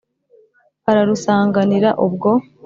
Ararusanganira ubwo.